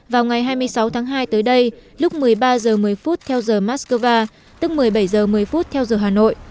vào ngày hai mươi sáu tháng hai tới đây lúc một mươi ba h một mươi theo giờ moscow tức một mươi bảy h một mươi theo giờ hà nội